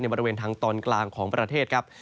บริเวณทางตอนกลางของประเทศครับ